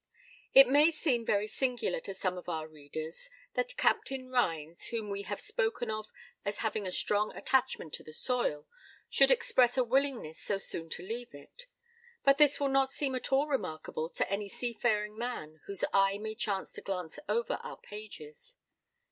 It may seem very singular to some of our readers, that Captain Rhines, whom we have spoken of as having a strong attachment to the soil, should express a willingness so soon to leave it. But this will not seem at all remarkable to any seafaring man whose eye may chance to glance over our pages.